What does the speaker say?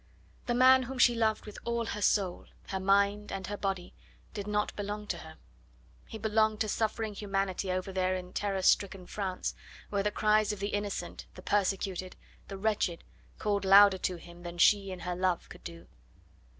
The man whom she loved with all her soul, her mind and her body, did not belong to her; he belonged to suffering humanity over there in terror stricken France, where the cries of the innocent, the persecuted, the wretched called louder to him than she in her love could do.